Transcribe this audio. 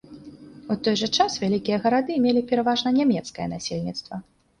У той жа час вялікія гарады мелі пераважна нямецкае насельніцтва.